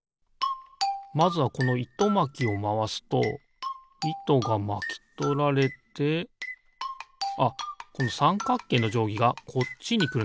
まずはこのいとまきをまわすといとがまきとられてあっこのさんかくけいのじょうぎがこっちにくるのか。